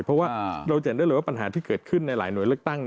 เพราะว่าเราจะเห็นได้เลยว่าปัญหาที่เกิดขึ้นในหลายหน่วยเลือกตั้ง